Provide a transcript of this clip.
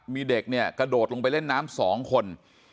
มีเด็กเนี่ยกระโดดลงไปเล่นน้ำ๒คน